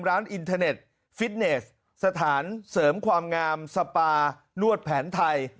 อินเทอร์เน็ตฟิตเนสสถานเสริมความงามสปานวดแผนไทย